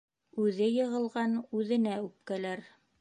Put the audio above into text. Үҙе йығылған үҙенә үпкәләр.